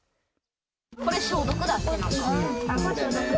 これ、消毒だって。